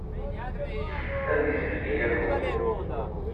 Ad izelli akud.